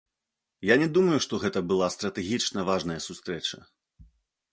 Я не думаю, што гэта была стратэгічна важная сустрэча.